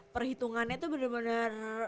perhitungannya tuh bener bener